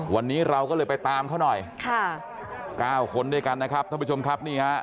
วันนี้เราก็เลยไปตามเขาหน่อยค่ะ๙คนด้วยกันนะครับท่านผู้ชมครับนี่ฮะ